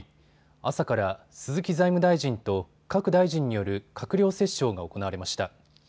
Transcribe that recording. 朝から鈴木財務大臣と各大臣による閣僚折衝が行われました。